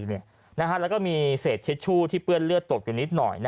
แล้วก็มีเศษเช็ดชู่ที่เปื้อนเลือดตกอยู่นิดหน่อย